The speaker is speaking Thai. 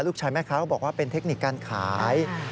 ลูกชายแม่คะก็บอกว่าเป็นเทคนิคการขาย